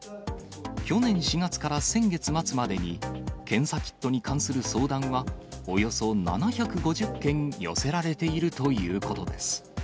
去年４月から先月末までに、検査キットに関する相談はおよそ７５０件寄せられているということです。